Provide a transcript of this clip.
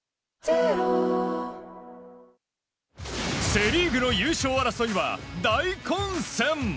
セ・リーグの優勝争いは大混戦！